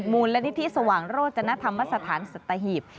มูลและที่ที่สว่างโรจนธรรมศาสทานสตหีพ